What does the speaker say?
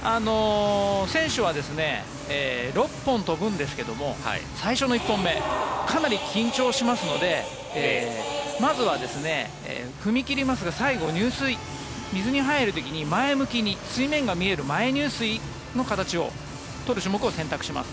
選手は６本飛ぶんですが最初の１本目かなり緊張しますのでまずは踏み切りますが最後、入水水に入る時に前向きに水面が見える前入水の形を取る種目を選択します。